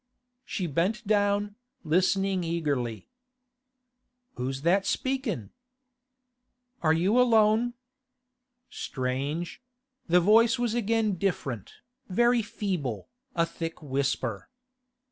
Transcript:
She bent down, listening eagerly. 'Who's that speakin'?' 'Are you alone?' Strange; the voice was again different, very feeble, a thick whisper.